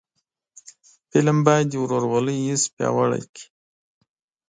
فلم باید د ورورولۍ حس پیاوړی کړي